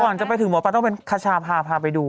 จะไปถึงหมอปลาต้องเป็นคชาพาพาไปดู